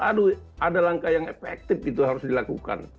aduh ada langkah yang efektif itu harus dilakukan